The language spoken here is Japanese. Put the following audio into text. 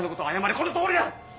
このとおりだ！